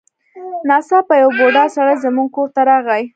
ناڅاپه یو بوډا سړی زموږ کور ته راغی.